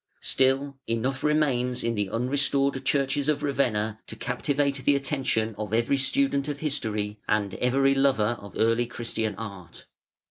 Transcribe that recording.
Still, enough remains in the un restored churches of Ravenna to captivate the attention of every student of history and every lover of early Christian art.